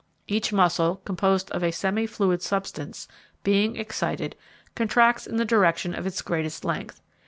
Each muscle, composed of a semi fluid substance, being excited, contracts in the direction of its greatest length.